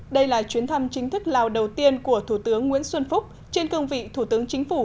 đây là chuyến thăm chính thức lào đầu tiên của thủ tướng nguyễn xuân phúc trên cương vị thủ tướng chính phủ